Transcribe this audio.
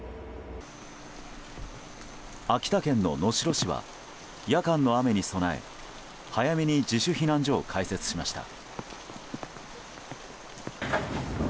秋田県の能代市は夜間の雨に備え早めに自主避難所を開設しました。